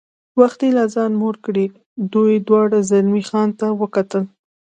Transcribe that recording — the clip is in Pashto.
وختي لا ځان موړ کړی، دوی دواړو زلمی خان ته وکتل.